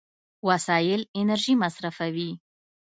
وسایل انرژي مصرفوي.